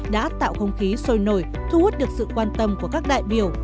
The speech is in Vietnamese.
đã tạo không khí sôi nổi thu hút được sự quan tâm của các đại biểu